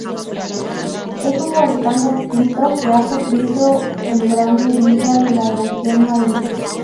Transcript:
Es un volcán extinto que ha sufrido en gran medida de la erosión marina.